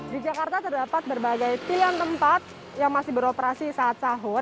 di jakarta terdapat berbagai pilihan tempat yang masih beroperasi saat sahur